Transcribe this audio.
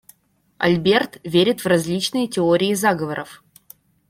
Альберт верит в различные теории заговоров.